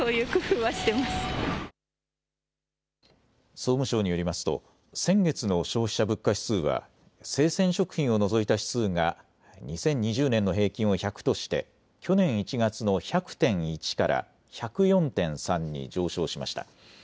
総務省によりますと先月の消費者物価指数は生鮮食品を除いた指数が２０２０年の平均を１００として去年１月の１００．１から１０４．３に上昇しました。